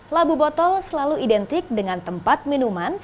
labu botol selalu identik dengan tempat minuman